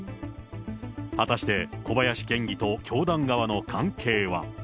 果たして、小林県議と教団側の関係は。